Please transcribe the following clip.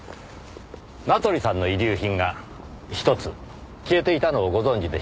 名取さんの遺留品が１つ消えていたのをご存じでしょうか？